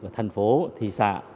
thành phố thị xã